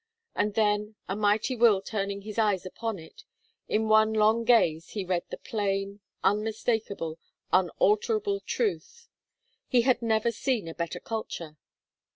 And then, a mighty will turning his eyes upon it, in one long gaze he read the plain, unmistakable, unalterable truth. He had never seen a better culture.